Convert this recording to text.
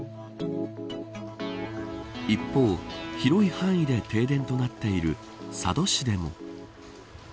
一方広い範囲で停電となっている佐渡市でも。